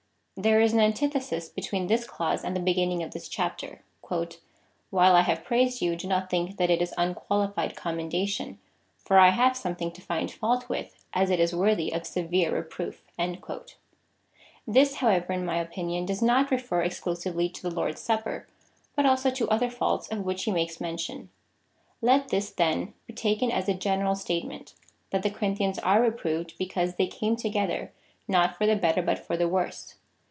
There is an antithesis between this clause and the beginning of this chapter. " While I have praised you, do not think that it is unqualified commendation ; for I have something to find fault with, as it is worthy of severe reproof" This, however, in my opinion, does not refer exclusively to the Lord's Supper, but also to other faults of which he makes mention. Let this then be taken as a general statement, that the Corin thians are reproved, because they came together not for the better but for the worse.